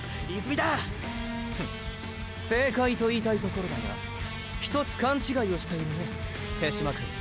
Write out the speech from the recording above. フ正解と言いたいところだがひとつ勘違いをしているね手嶋くん。